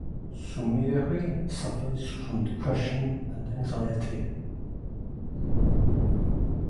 Sumire suffers from depression and anxiety.